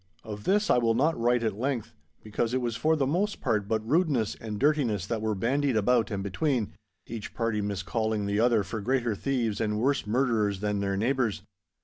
Of this I will not write at length, because it was for the most part but rudeness and dirtiness that were bandied about and between—each party miscalling the other for greater thieves and worse murderers than their neighbours.